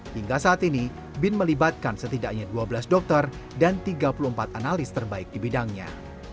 hingga saat ini bin melibatkan setidaknya dua belas dokter dan tiga puluh empat analis terbaik di bidangnya